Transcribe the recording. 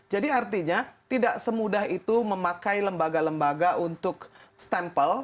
jadi artinya tidak semudah itu memakai lembaga lembaga untuk stempel